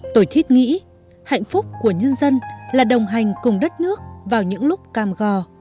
tôi thiết nghĩ hạnh phúc của nhân dân là đồng hành cùng đất nước vào những lúc cam gò